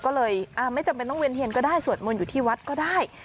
ก็เลยไม่จำเป็นต้องเวียนเทียนก็ได้สวดมนต์อยู่ที่วัดก็ได้